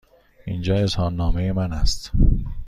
اینجا اظهارنامه من است.